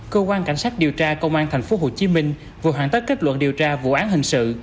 cơ quan cảnh sát điều tra công an tp hcm vừa hoàn tất kết luận điều tra vụ án hình sự